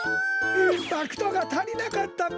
インパクトがたりなかったか！